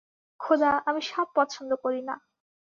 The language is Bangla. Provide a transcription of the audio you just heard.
খোদা, আমি সাপ পছন্দ করি না।